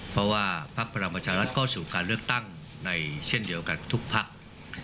เพราะว่าพักพลังประชารัฐก็สู่การเลือกตั้งในเช่นเดียวกันทุกพัก